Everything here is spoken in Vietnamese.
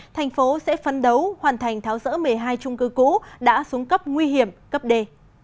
thành phố sẽ phấn đấu hoàn thành tháo rỡ một mươi hai trung cư cũ đã xuống cấp nguy hiểm cấp đề